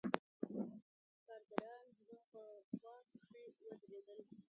کارګران زما په خوا کښې ودرېدل.